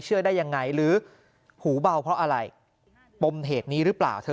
เชื่อได้ยังไงหรือหูเบาเพราะอะไรปมเหตุนี้หรือเปล่าเธอ